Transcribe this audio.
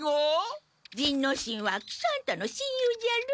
仁之進は喜三太の親友じゃろ？